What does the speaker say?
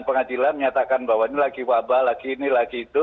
pengadilan menyatakan bahwa ini lagi wabah lagi ini lagi itu